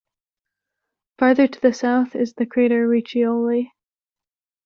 Farther to the south is the crater Riccioli.